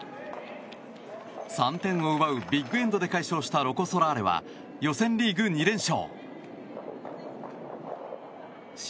３点を奪うビッグエンドで快勝したロコ・ソラーレは予選リーグ２連勝。